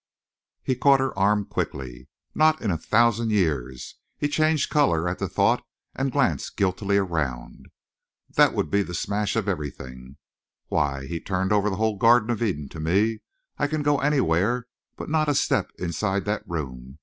He caught her arm quickly. "Not in a thousand years!" He changed color at the thought and glanced guiltily around. "That would be the smash of everything. Why, he turned over the whole Garden of Eden to me. I can go anywhere, but not a step inside that room.